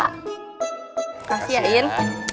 makasih ya in